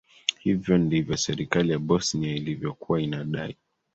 hivyo ndivyo serikali ya bosnia ilivyokuwa inadai